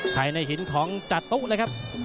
ใครในหินของจาตู้เลยครับ